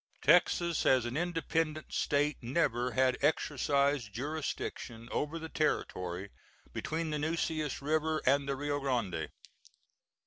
Texas, as an independent State, never had exercised jurisdiction over the territory between the Nueces River and the Rio Grande.